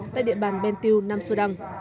tại địa bàn ben tieu nam sudan